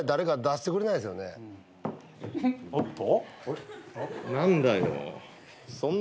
おっと？